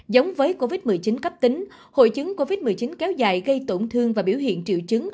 giống với covid một mươi chín cấp tính hội chứng covid một mươi chín kéo dài gây tổn thương và biểu hiện triệu chứng